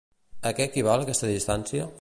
A què equival aquesta distància?